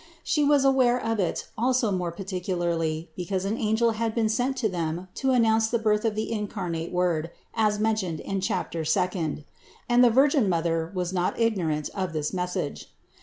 She was aware of it also more particularly be cause an angel had been sent to them to announce the birth of the incarnate Word, as mentioned in chapter second (No. 492), and the Virgin Mother was not ignorant of this message.